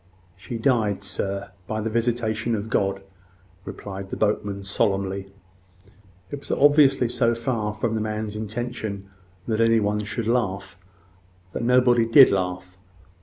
"She died, sir, by the visitation of God," replied the boatman, solemnly. It was obviously so far from the man's intention that any one should laugh, that nobody did laugh.